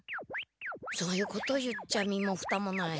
そういうこと言っちゃ身もふたもない。